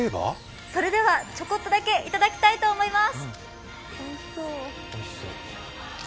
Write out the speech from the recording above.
それでは、ちょこっとだけ頂きたいと思います。